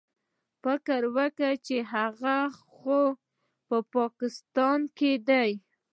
ما فکر وکړ چې هغه خو په پاکستان کښې دى.